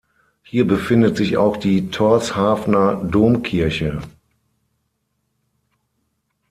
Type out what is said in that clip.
Hier befindet sich auch die Tórshavner Domkirche.